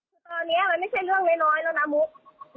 คือตอนนี้มันไม่ใช่เรื่องน้อยแล้วนะมุก